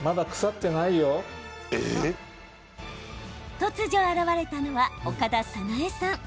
突如、現れたのは岡田早苗さん。